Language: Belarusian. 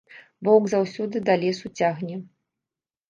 Воўк заўсёды да лесу цягне.